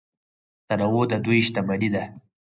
تنوع د دوی شتمني ده.